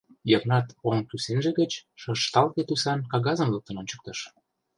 — Йыгнат оҥ кӱсенже гыч шышталге тӱсан кагазым луктын ончыктыш.